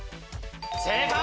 正解！